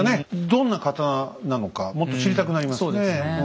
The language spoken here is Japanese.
どんな刀なのかもっと知りたくなりますね。